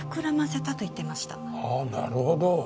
ああなるほど。